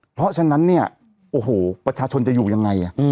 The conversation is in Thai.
เพราะฉะนั้นเนี่ยโอ้โหประชาชนจะอยู่ยังไง